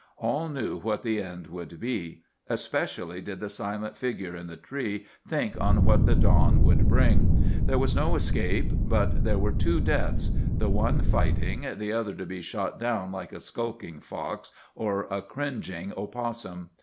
All knew what the end would be. Especially did the silent figure in the tree think on what the dawn would bring. There was no escape, but there were two deaths—the one fighting, the other to be shot down like a skulking fox or a cringing opossum.